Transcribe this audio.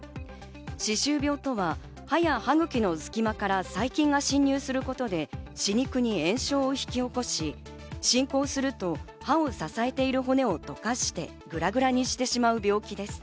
歯周病とは歯や歯茎の隙間から細菌が侵入することで歯肉に炎症を引き起こし、進行すると歯を支えている骨を溶かして、ぐらぐらにしてしまう病気です。